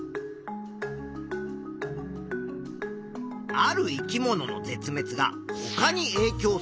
ある生き物の絶滅がほかにえいきょうする。